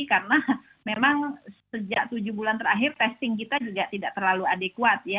karena memang sejak tujuh bulan terakhir testing kita juga tidak terlalu adekuat